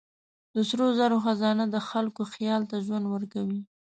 د سرو زرو خزانه د خلکو خیال ته ژوند ورکوي.